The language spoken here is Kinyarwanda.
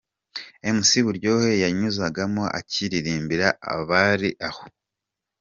Mc Buryohe yanyuzagamo akaririmbira abari aho.